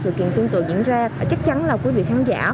sự kiện tương tự diễn ra và chắc chắn là quý vị khán giả